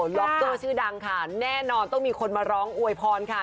ล็อกเกอร์ชื่อดังค่ะแน่นอนต้องมีคนมาร้องอวยพรค่ะ